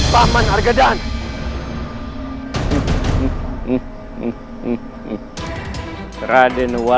kamu harus percaya kekayaanmu